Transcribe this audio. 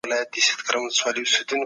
قصاص د بې ګناه وينې ارزښت دی.